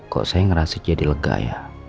kok saya ngerasa jadi lega ya